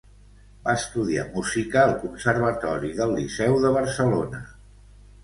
Va estudiar música al Conservatori del Liceu de Barcelona.